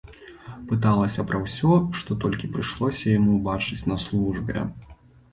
Пыталася пра ўсё, што толькі прыйшлося яму ўбачыць на службе.